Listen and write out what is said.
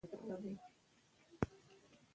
سیلانی ځایونه د افغان ماشومانو د زده کړې موضوع ده.